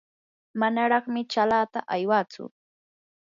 manaraqmi chaalata aywatsu.